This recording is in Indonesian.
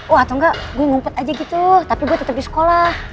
wah atau enggak gue ngumpet aja gitu tapi gue tetap di sekolah